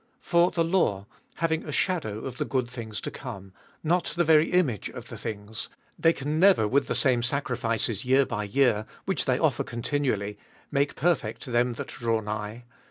For the law having a shadow of the good things to come, not the very image of the things, they can never with the same sacrifices year by year, which they offer continually, make perfect them that draw nigh.